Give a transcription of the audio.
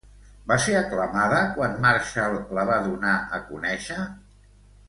Va ser aclamada quan Marshall la va donar a conèixer?